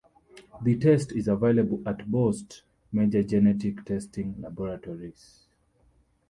The test is available at most major genetic testing laboratories.